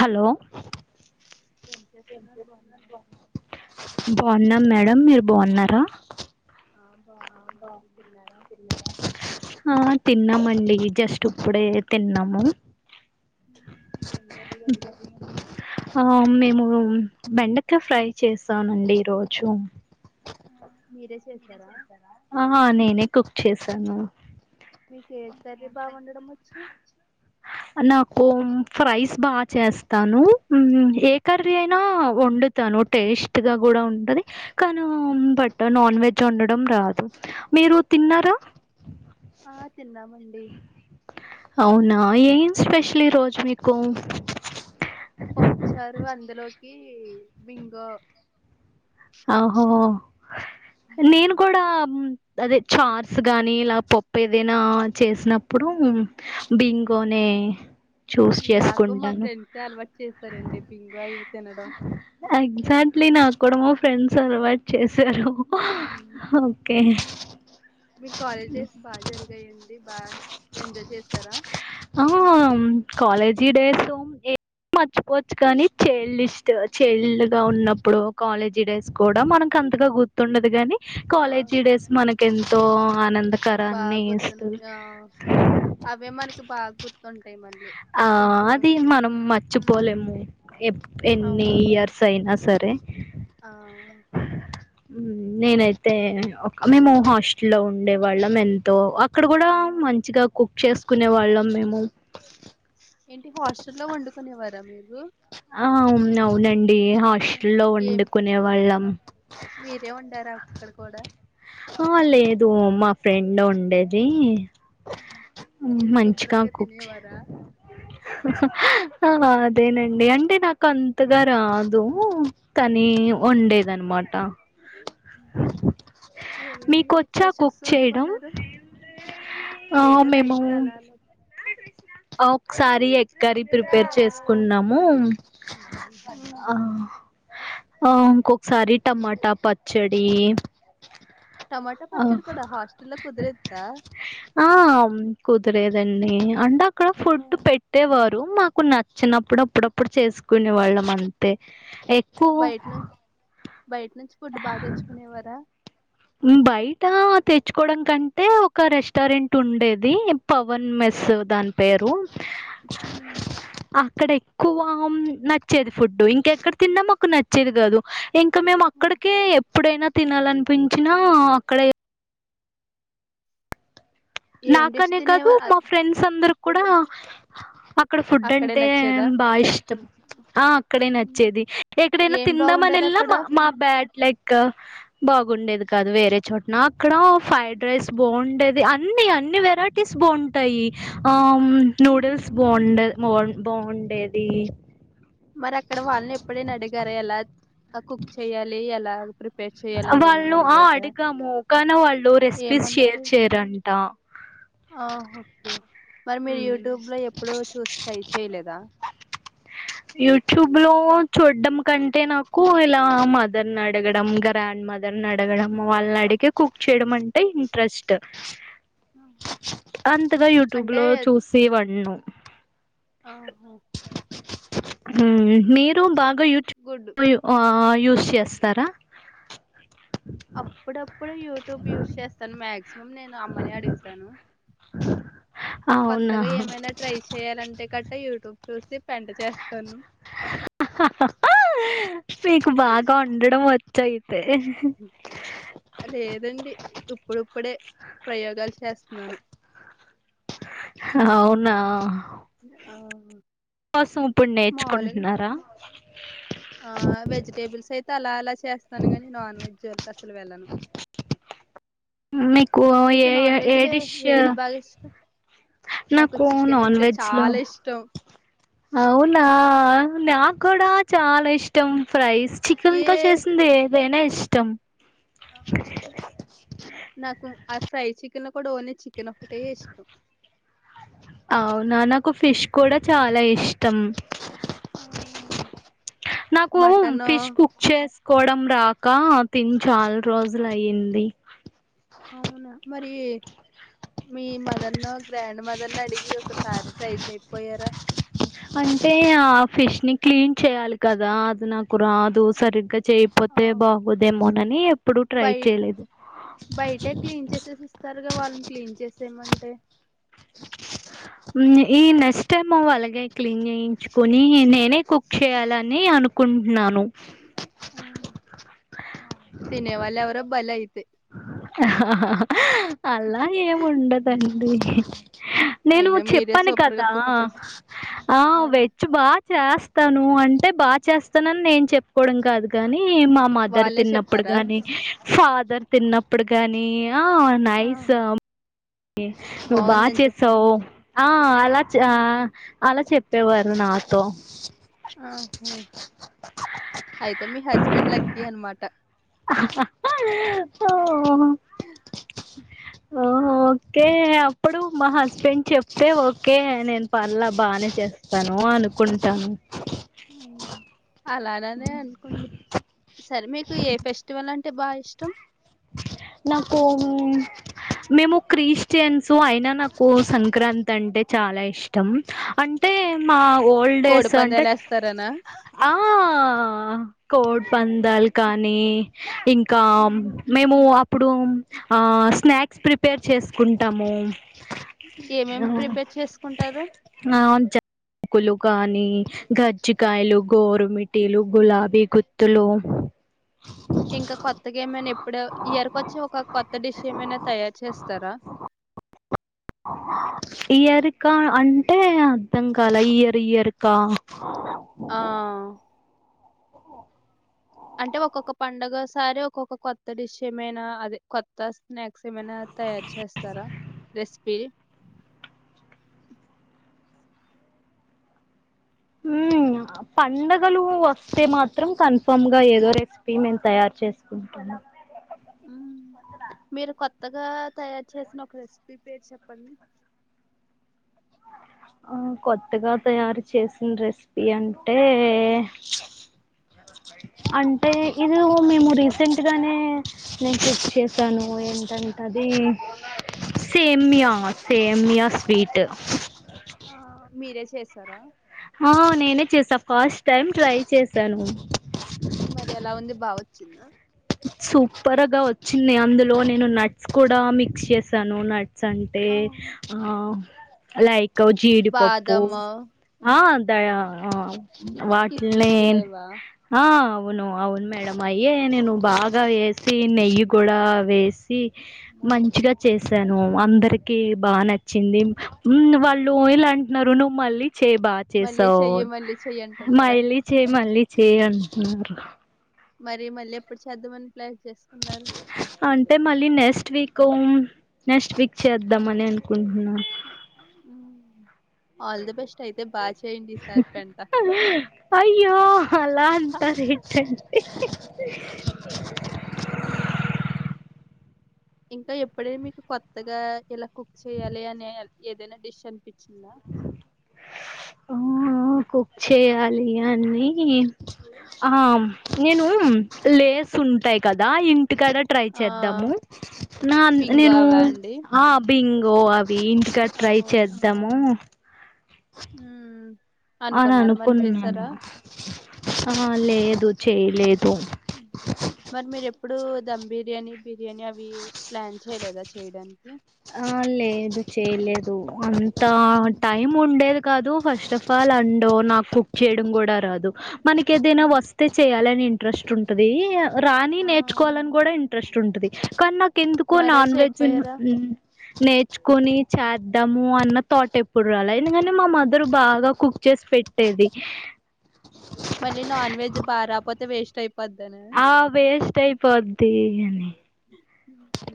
Hello ఏం చేస్తున్నారు బాగున్నారా బాగున్నాం మేడం మీరు బాగున్నారా ఆ అవును బాగున్నానండి తిన్నారా బాగున్నం అండి తిన్నరా తిన్నామండి జస్ట్ ఇప్పుడే తిన్నాము ఉమ్, ఏం కర్రీ అండి ఆ మేము బెండకాయ ఫ్రై చేసానండి ఈ రోజు మీరే చేసారా ఆహ నేనే కుక్ చేసాను మీకు ఏ కర్రీ బాగ వుండడం వచ్చు నాకు ఫ్రైస్ బాగా చేస్తాను ఏ కర్రీ ఉమ్, అయినా వండుతాను టేస్ట్ గా కూడా ఉంటది కానీ బట్ నాన్ వెజ్ వండడం రాదు మీరు ఆ తిన్నారా ఏ అవునా ఏమ్ స్పెషల్ ఈ రోజు మీకు బింగొ ఆహో నేను ఉమ్, కూడా అదే చార్స్ గాని ఇలా పప్పు ఏదైనా చేసినప్పుడు బింగోనే ఉహ్ నాకు మా ఫ్రెండ్ ఏ అలవాటు చేసారండి బింగొ లు తినడం ఎగ్జాక్ట్లీ నాకు కూడా ఫ్రెండ్స్ అలవాటు చేశారు ఓకే మీకు కాలేజ్ డేస్ బాగా జరిగాయండి బాగా ఎంజాయ్ చేస్తారా ఆ కాలేజీ డేస్ మర్చిపోవచ్చు కానీ చైల్డ్ ఇస్ట్ చైల్డ్ గా ఉన్నప్పుడు కాలేజ్ డేస్ కూడా మనకు అంతగా గుర్తుండదు కగానీ ఆ కాలేజీ డేస్ మనకి ఎంతో బాగా గుర్తున్నా ఆ అవే మనకి బాగా గుర్తుంటాయి మళ్ళీ ఆ కొంచెం అది మనం ఉమ్ మర్చిపోలేము ఎప్ణ ఎన్ని అవును ఇయర్స్ అయినా సరే ఆ నేనైతే మేము హాస్టల్ లో ఉండే వాళ్ళం ఎంతో అక్కడ కూడా మంచిగా కుక్ చేసుకునే వాళ్ళం మేము ఏంటి హాస్టల్లో వండుకునేవారా మీరు ఆ అవును అవునండి ఆ, హాస్టల్లో ఏం వండుకునే వాళ్ళం మీరే వండారా అక్కడ కూడా మా ఫ్రెండ్ ఉండేది ఉమ్, మీరు మంచిగా శుభ్రంగా కుక్ చే తినేవారా ఆ అదేనండి అంటే నాకు అంతగా రాదు తనే ఉమ్, వండేదనమాట ఏమేమి మీకొచ్చా స్పెషల్స్ కుక్ చేయడం వండుకున్నారు ఆ ఏదో మేము లైట్ గా అలా అల ఒకసారి ఎగ్ కర్రి ప్రిపేర్ చేసుకున్నాము ఉమ్, ఆ ఆ ఇంకొకసారి టమాటా పచ్చడి టమాటా పచ్చడి కూడా హాస్టల్ లో కుదిరేద్దా గుర్తులేదండి అంటే అక్కడ ఫుడ్ పెట్టేవారు మాకు నచ్చినప్పుడు అప్పుడప్పుడు చేసుకునే వాళ్ళం అంతే ఎక్కువ బయట నుంచి బయట నుంచి ఫుడ్ బాగా తెచ్చుకునేవార బయట తెచ్చుకోవడం కంటే ఒక రెస్టారెంట్ ఉండేది పవన్ మెస్ దాని పేరు హమ్మ్ ఇక్కడ ఎక్కువ నచ్చేది ఫుడ్ ఇంకెక్కడ తిన్నా మాకు నచ్చేది కాదు ఇంకా మేము ఉమ్. అక్కడిక ఎప్పుడైనా తినాలనిపించినా అక్కడ ఏం డిష్ నాకనే కాదు తినేవారు మా అ- ఫ్రెండ్స్ అందరు కూడా అక్కడ ఫుడ్ అక్కడే అంటే నచ్చేదా బాగా ఇష్టం ఆ అక్కడే ఉమ్, నచ్చేది ఎక్కడైనా ఏం తిందామని బాగుండేది వెళ్లిన అక్కడ మా బ్యాడ్ లైక్ ఇకా బాగుండేది కాదు వేరే చోట్న అక్కడ ఫ్రైడ్ రైస్ బాగుండేది అన్ని అన్ని వెరైటీస్ బాగుంటాయి ఆ నూడిల్స్ ఉమ్. బాగుండే బాగు బాగుండేది మరి అక్కడ వాళ్ళని ఎప్పుడైనా అడిగార ఎలా కుక్ చేయాలి ఎలా ప్రప వాళ్ళు ఆ అడిగాము కానీ వాళ్ళు రెసిపీస్ షేర్ ఏమన్నారు చేయరంట ఆ ఓకే మరి మీరు యూట్యూబ్ లో ఎప్పుడుూ చూసి ట్రై చేయలేదా యూట్యూబ్ లో చూడ్డం కంటే నాకు ఇలా మదర్ని అడగడం గ్రాండ్ మదర్ ఇద్దరిని అడగడం మ్మ్. వాళ్ళని అడిగే కుక్ చేయడం అంటే ఇంట్రెస్ట్ ఆహా. అంతగా యూట్యూబ్ అంటే లో చూసి వంను ఆహో మీరు బాగా గుడ్ యూట్యూబ్ అ యూస్ చేస్తారా అప్పుడప్పుడు యూట్యూబ్ యూస్ చేస్తాను మాక్సిమం నేను అమ్మనే అడుగుతాను అవునా కొత్తగా ఏమైనా ట్రై చేయాలంటే గట్టా యూట్యూబ్ చూసి పెంట చేస్తాను మీకు బాగా ఉండడం వ లేదండి ఇప్పుడుప్పుడే ప్రయోగాలు చేస్తున్నాను అవునా అవును కోసం ఇప్పుడు నేర్చుకుంటున్నారా ఆ వెజిటేబుల్స్ అయితే అలా అలా చేస్తాను గాని నాన్ వెజ్ వాళ్ళకి అసలు వెళ్ళను మీ మీకు నాన్ వెజ్లు ఏది బాగా ఇష్టం నాకు చికెన్ నాన్ అంటే వెజ్ లో చాలా ఇష్టం అవునా నాకు కూడా చాలా ఇష్టం ఫ్రైస్ చికెన్ ఏ తో చేసింది ఏదైనా ఇష్టం నాకు ఆ ఫ్రై చికెన్ లో కూడా ఓన్లీ చికన్ ఒకక్కటే ఇష్టం అవునా నాకు ఫిష్ కూడా చాలా ఇష్టం నాకు మటను ఫిష్ కుక్ చేసుకోవడం రాక తిని చాలా రోజులు అయ్యంది అవునా మరి మీ మదర్ ను గ్రాండ్ మదర్ ను అడిగి ఒకసారి ట్రై చెయపోయారా అంటే ఆ ఫిష్ ని క్లీన్ చేయాలి కదా అది నాకు రాదు సరిగ్గా చేయపోతే బాగోదేమోనని ఎప్పుడుూ ట్రై బయట చేయలేదు బయటే క్లీన్ చేసేసి ఇస్తారుగా వాళ్ళని క్లీన్ చేసేమంటే ఈ నెక్స్ట్ టైమ్ అలాగే క్లీన్ చేయించుకుని నేనే కుక్ చేయాలని అనుకుంటున్నాను ఆ తినేవాళ్ళేవరో బలై అలా ఏముండదండి నేను అయినా మీరే చెప్పాను సూపర్ గా కదా కుక్ చేస్ ఆ వెజ్ బా చేస్తాను అంటే బాగా చేస్తానని నేను చెప్పుకోవడం కాదు గాని ని మా మదర్ వాళ్ళే తిన్నప్పుడు చెప్పారా గాని ఫాదర్ తిన్నప్పుడు గాని ఆ ఆ నైస్ నువ్ బాగా బాగుందని చెప్పారు చేసావు్ ఆ ఆ లా అలా చెప్పేవారు నాతో ఆహో అయితే మీ హస్బెండ్ లక్కి అన్నమాట ఓ ఓకే అ ప్పుడు మా హస్బెండ్ చెప్తే ఓకే నేను పర్లే బానే చేస్తాను ను అనుకుంటాను అలాగనే అనుకోండి సరే మీకు ఏ ఫెస్టివల్ అంటే బాగా ఇష్టం నాకు మేము క్రిస్టియన్స్ అయినా నాకు సంక్రాంతి అంటే చాలా ఇష్టం అంటే టే మా ఊ కోడి ఓల్డేజ్ అంటే పందాలు వేస్తారనా ఆ కోడ్ పందాలు కా ని ఇంకా ఉమ్. మేము అప్ ప్పుడు ఆ స్నాక్స్ ప్రిపేర్ చేసుకుంటాము ఏమేమి ప్రిపేర్ చేసుకుంటారు కులుకా అనీ గజ్జికయలు గోరుమిటీలు ఉమ్. గులాబీ గు త్తులు ఇంకా కొత్తగా ఏమైనా ఎప్పుడు ఇయర్ కొచ్చి ఒక కొత్త డిష్ ఏమైనా తయారు చేస్తారా ఇయరిక అంటే అర్ధం కాలే ఇయర్ ఇయరుక ఆ అంటే ఒక్కొక్క పండగసారి ఒక్కొక్క కొత్త డిష్ ఏమైనా అదే కొత్త స్నాక్స్ ఏమైనా తయారు చేస్తారా రెసిపీ హుమ్ పండగలు వస్తే మాత్రం కన్ఫ ఫామ్ గా ఏదో రెసిపీ మీము తయారు చేసుకుంట అ మీరు కొత్తగా తయారు చేసిన ఒక రెసిపీ పేరు చెప్పండి ఆ కొత్తగా తయారు చేసిన రెసిపీ అంటే అంటే ఇది మేము రీసెంట్ గానే నేను చెక్ చేసాను ఏమిటంటే అ ది ఉ సేమ్య సేమ్యా స్వీట్ ఆ మీరే చేస్తారా ఆ నేనే చేసా ఫస్ట్ టైం ట్రై చేసాను చిన్న సూపర్గా వచ్చింది అందులో నేను నట్స్ కూడా మిక్స్ చేసాను నట్స్ సంటే ఆ! ఆ లై క్ జీడిపప్పు బాదము, ఆ దయ వాటిల్నే కిస్మిస్ ఇవా? ఆ అవును అవును మేడం అయ్యే నేను బా వేసి నెయ్యి కూడా వేసి అమ్మో! మంచిగా చేసాను అందరి కి బాగా నచ్చింది ఉమ్ వాళ్ళు ఇలా అంటున్నారు నువ్వు మళ్ళీ చే బా మళ్ళీ చేసావు చెయ్యి, మళ్ళీ చెయ్యి అంటున్నారా? మళ్ళీ చేయ్యి మళ్ళీ చేయ్ అంటున్నారు మరి మళ్ళీ ఎప్పుడు చేద్దామని ప్లాన్ చేసుకున్నారు అంటే మళ్ళీ నెక్స్ట్ వీక్ నెక్స్ట్ వీక్ చేద్దాం అని అనుకుం న్న హ్మ్. ఆల్ ది బెస్ట్ అయితే బాగా చేయండి ఈసారి పెంట అయ్యో అలా అంట చెయొచండ్ ఉమ్ ఇంకా ఎప్పుడైన మీకు కొత్తగా ఇలా కుక్ చెయ్యాలి అనే ఏదైనా డిష్ అని పిచ్చింద ఆ కుక్ చెయ్యాలి అనీ ఆ నేను లేస్ ఉంటాయి కదా ఇన్ టికడా ట్రై ఆ, చేద్దాము నా బింగో నేను అవా అండి ఆ బింగో అవీ దీంట్కా ఆ, ట్రై చేద్దాము మ్మ్ అనుకున్నారా మరి అననుకున్నాను చేశారా ఆ లేదు చెయ్ లేదు ఉమ్. మరి మీరెప్పుడు ధమ్ బిర్యానీ బిర్యానీ అవి ప్లాన్ చేయలేదా చేయడానికి ఆ లేదు చేయలేదు అంత మ్మ్. టైమ్ ఉండేది కాదు ఫస్ట్ అఫ్ ఆల్ అండో నాకు కుక్ చేయడం గూడా రాదు మనకి ఏదైనా మ్మ్. వస్తే చెయ్యాలని ఇంట్రెస్ట్ ఉంటది ఆ, రానియి నేర్చుకోవాలని గూడా ఇంట్రెస్ట్ ఉంటది కానీ నాకు ఎందుకో మరే నాన్ వెజ్ చెప్పారా నేర్చుకోని చాద్దాము అన్న థాట్ ఎప్పుడు రాల ఎందుకని మా మదర్ బాగా కుక్ చే చేస్ పెట్టేది మళ్ళీ నాన్ వెజ్ బారాపోతే వేస్టై ఆ వేస్ట్ అయిపోద్ది ఊ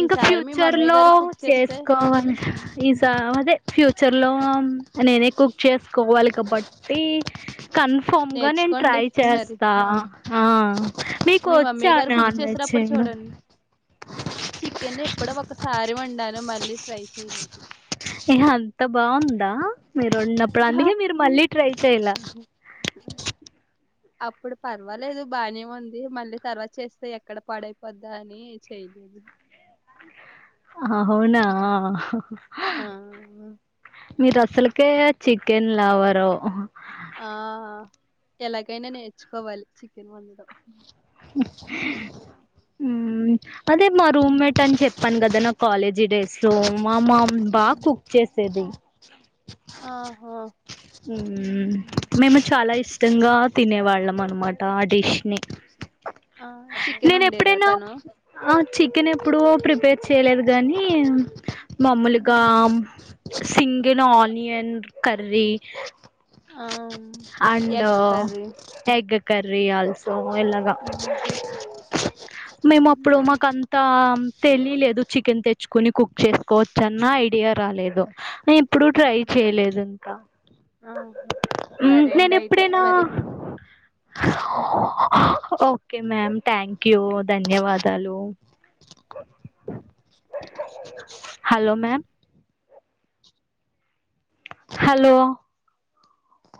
ఇంక ఫ్యూచర్ లో గారు కుక్ చేస్తే చేసుకోవలె మ్ ఈజా అదే ఫ్యూచర్ లో నేనే కుక్ చేసుకోవాలి కబట్టి కన్ఫర్మ్గా నేను నేర్చుకోండి ట్రై మరి చేస్తా ఆ మీకు మీ మమ్మీ వచ్చా గారు నా కుక్ చేసినప్పుడు చూడండ్ చికెన్ ఎప్పుడో ఒకసారి వండాను మళ్ళీ ట్రై చెయ్ లేదు అంత బావుందా మీరున్నప్పుడు అందుకే మీరు మళ్ళీ ట్రై చెయ్ల అప్పుడు పర్వాలేదు బానే ఉంది మళ్ళీ తర్వాత చేస్తే ఎక్కడ పాడైపోద్దా అని చెయలే అ అవునా ఆ మీరు అసలుకే చికెన్ లవరు ఆ ఎలాగైనా నేర్చుకోవాలి చికెన్ వండడం మ్మ్ అదే మా మ్మ్, రూమ్మేట్ అని చెప్పాను కదా ఏదనా కాలేజీ డేస్ లో మా మామ్ బా మ్మ్. కుక్ చేసేది ఆహా మ్మ్. మేము చాలా స్- ఇష్టంగా తినే వాళ్ళం అనమాట టిష్ని ఆ చికెన్ నేను వండేదా ఎప్పుడైనా తను చికెన్ ఎప్పుడూ ప్రిపేర్ చేయలేదు గానీ మామూలుగా ఇంగేను ఆనియన్ కర్రీ ఆ and egg curry egg curry అల్స్ ఉమ్. మేము అప్పుడు ఉమ్. మాకంతా తెలీలేదు చికెన్ తెచ్చుకుని కుక్ చేసుకోవచ్చన్నా ఐడియా రాలేదు ఎప్పుడు ట్రై చేయలేదు ఇంకా ఆ సరే నేను అండి అయితే ఎప్పుడైనా మరి ఓకే మ్యామ్ థ్యాంక్ యూ ధన్యవాద్ టలు హలో మ్యామ్ హలో